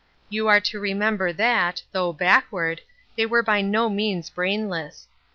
You are to remembei that, though backward, they were by no means brainless.